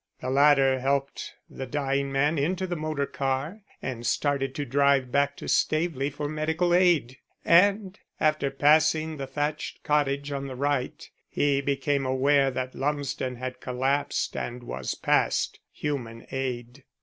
The latter helped the dying man into the motor car and started to drive back to Staveley for medical aid, and after passing the thatched cottage on the right he became aware that Lumsden had collapsed and was past human aid.